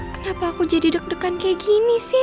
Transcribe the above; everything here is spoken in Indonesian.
kenapa aku jadi deg degan kayak gini sih